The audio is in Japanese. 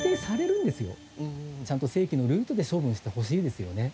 ちゃんと正規のルートで処分してほしいですよね。